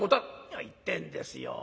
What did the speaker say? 「何を言ってんですよ。